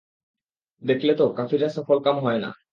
দেখলে তো কাফিররা সফলকাম হয় না।